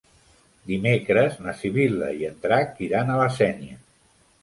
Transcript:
Dimecres na Sibil·la i en Drac iran a la Sénia.